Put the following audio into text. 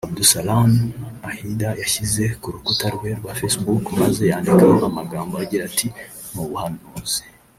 Abdulsalami Ohidah yashyize ku rukuta rwe rwa Facebook maze yandikaho amagambo agira ati “ Mu buhanuzi